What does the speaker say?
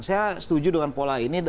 saya setuju dengan pola ini